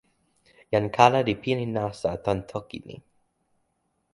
jan kala li pilin nasa tan toki ni.